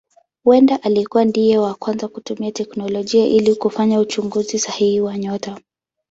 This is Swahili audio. Huenda alikuwa ndiye wa kwanza kutumia teknolojia ili kufanya uchunguzi sahihi wa nyota.